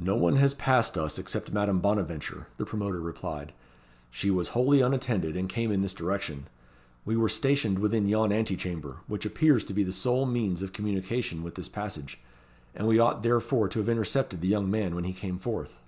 "No one has passed us, except Madame Bonaventure," the promoter replied. "She was wholly unattended, and came in this direction. We were stationed within yon anti chamber, which appears to be the sole means of communication with this passage, and we ought therefore to have intercepted the young man when he came forth."